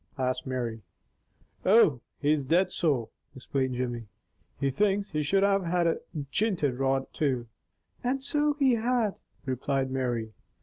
asked Mary. "Oh, he's dead sore," explained Jimmy. "He thinks he should have had a jinted rod, too." "And so he had," replied Mary.